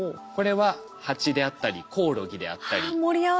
これはハチであったりコオロギであったり。